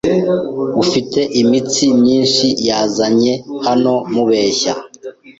Ufite imitsi myinshi yanzanye hano mubeshya.